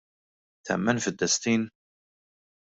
Temmen fid-destin?